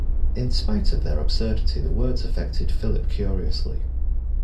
In spite of their absurdity the words affected Philip curiously.